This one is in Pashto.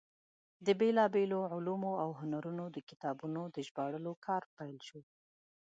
د بېلابېلو علومو او هنرونو د کتابونو د ژباړلو کار پیل شو.